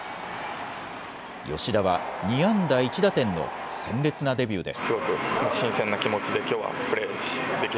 吉田は２安打１打点の鮮烈なデビューです。